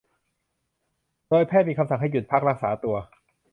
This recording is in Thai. โดยแพทย์มีคำสั่งให้หยุดพักรักษาตัว